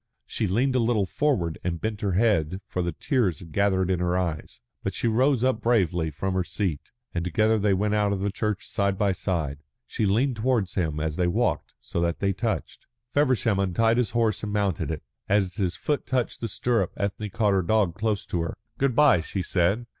She leaned a little forward and bent her head, for the tears had gathered in her eyes. But she rose up bravely from her seat, and together they went out of the church side by side. She leaned towards him as they walked so that they touched. Feversham untied his horse and mounted it. As his foot touched the stirrup Ethne caught her dog close to her. "Good bye," she said.